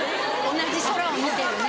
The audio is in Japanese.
「同じ空を見てるね」。